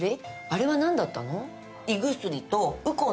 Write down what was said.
あれは何だったの？